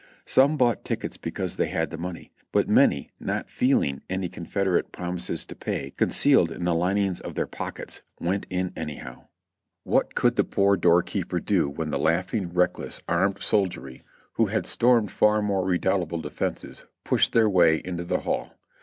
Some bought tickets because they had the money, but many not feeling any Confederate Promises to Pay concealed in the linings of their pockets, went in anyhow. What could the poor door keeper do when the laughing, reckless. HOOD S MEN VISIT THE THEATRE 335 armed soldiery, who had stormed far more redoubtable defenses, pushed their way into the hall